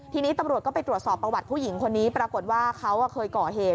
ทีนี้ตำรวจก็ไปตรวจสอบประวัติผู้หญิงคนนี้ปรากฏว่าเขาเคยก่อเหตุ